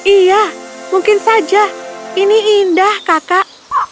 iya mungkin saja ini indah kakak